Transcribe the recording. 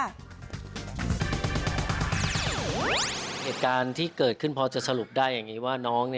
เหตุการณ์ที่เกิดขึ้นพอจะสรุปได้อย่างนี้ว่าน้อง